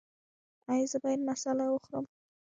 ایا زه باید مساله وخورم؟